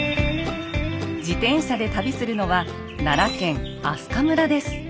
自転車で旅するのは奈良県明日香村です。